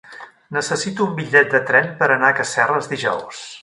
Necessito un bitllet de tren per anar a Casserres dijous.